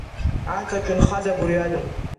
Аҵаҿ инхаз агәырҩада.